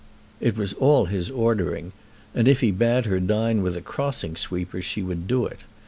It was all his ordering, and if he bade her dine with a crossing sweeper she would do it.